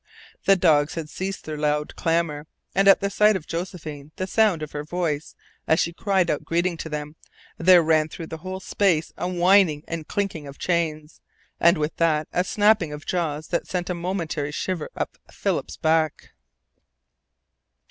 The dogs had ceased their loud clamour, and at sight of Josephine and sound of her voice, as she cried out greeting to them, there ran through the whole space a whining and a clinking of chains, and with that a snapping of jaws that sent a momentary shiver up Philip's back.